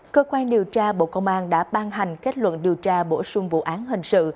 cơ quan điều tra bộ công an đã ban hành kết luận điều tra bổ sung vụ án hình sự